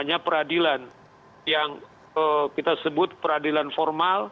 yang kita sebut peradilan formal